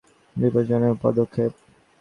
ক্ষমতাহীন এক কুকুরের জন্য বিপজ্জনক পদক্ষেপ।